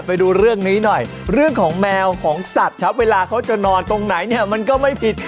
ไปดูเรื่องนี้หน่อยเรื่องของแมวของสัตว์ครับเวลาเขาจะนอนตรงไหนเนี่ยมันก็ไม่ผิด